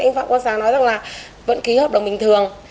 anh phạm quang sáng nói rằng là vẫn ký hợp đồng bình thường